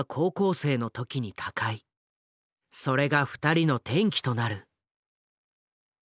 それが二人の転機となる。